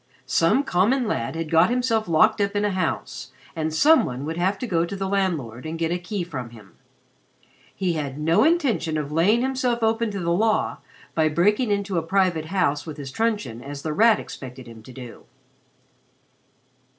Some common lad had got himself locked up in a house, and some one would have to go to the landlord and get a key from him. He had no intention of laying himself open to the law by breaking into a private house with his truncheon, as The Rat expected him to do.